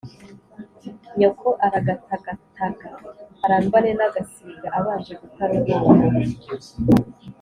nyoko aragatagataga arambane n'ag asiga abanje guta rugongo